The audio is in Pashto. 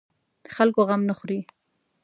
د خلکو غم نه خوري.